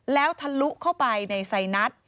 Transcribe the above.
แล้วทะลุเข้าไปในไซนัส